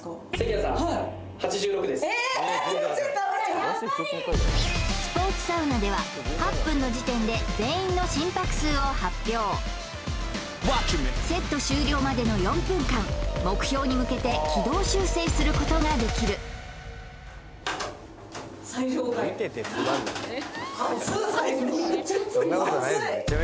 やっぱりスポーツサウナでは８分の時点で全員の心拍数を発表セット終了までの４分間目標に向けて軌道修正することができるめっちゃ熱いですよ